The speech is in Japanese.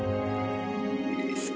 好き。